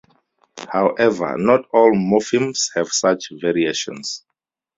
However, not all morphemes have such variations.